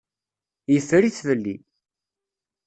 Yeffer-it fell-i.